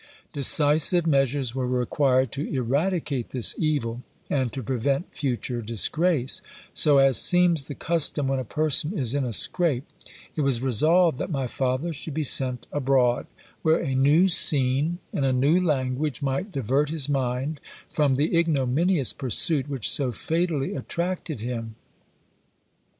Decisive measures were required to eradicate this evil, and to prevent future disgrace so, as seems the custom when a person is in a scrape, it was resolved that my father should be sent abroad, where a new scene and a new language might divert his mind from the ignominious pursuit which so fatally attracted him.